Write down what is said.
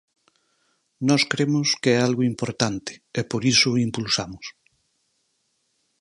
Nós cremos que é algo importante e por iso o impulsamos.